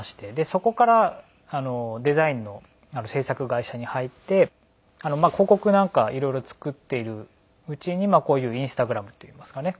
そこからデザインの制作会社に入って広告なんか色々作っているうちにこういうインスタグラムといいますかね